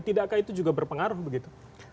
tidakkah itu juga berpengaruh begitu